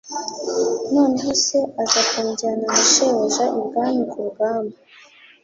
noneho se aza kujyana na shebuja ibwami kurugamba